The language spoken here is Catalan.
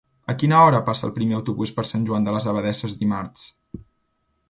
A quina hora passa el primer autobús per Sant Joan de les Abadesses dimarts?